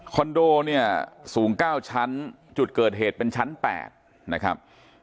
โดเนี่ยสูง๙ชั้นจุดเกิดเหตุเป็นชั้น๘นะครับ